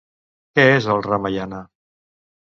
Què és el Ramaiana?